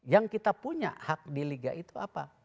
yang kita punya hak di liga itu apa